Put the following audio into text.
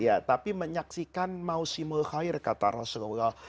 ya tapi menyaksikan mau simul khair kata rasulullah